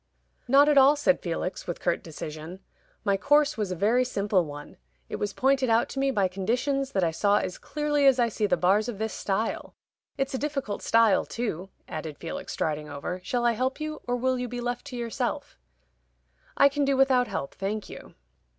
"Not at all," said Felix, with curt decision. "My course was a very simple one. It was pointed out to me by conditions that I saw as clearly as I see the bars of this stile. It's a difficult stile too," added Felix, striding over. "Shall I help you, or will you be left to yourself?" "I can do without help, thank you."